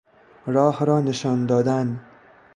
راه را نشان دادن